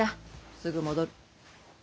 すぐ戻る。